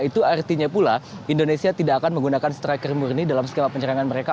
itu artinya pula indonesia tidak akan menggunakan striker murni dalam skema penyerangan mereka